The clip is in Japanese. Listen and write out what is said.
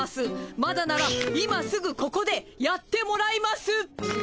まだなら今すぐここでやってもらいます。